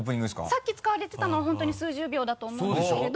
さっき使われてたのは本当に数十秒だと思うんですけど。